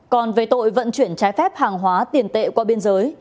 còn về tội vận chuyển trái phép hàng hóa tiền tệ qua biên giới